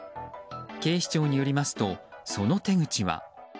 警視庁によりますとその手口は。